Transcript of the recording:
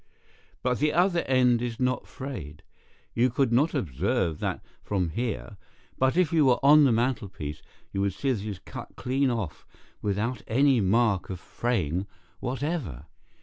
But the other end is not frayed. You could not observe that from here, but if you were on the mantelpiece you would see that it is cut clean off without any mark of fraying whatever.